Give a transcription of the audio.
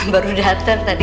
baru datang tadi